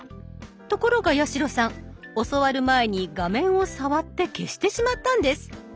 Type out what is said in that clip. ところが八代さん教わる前に画面を触って消してしまったんです。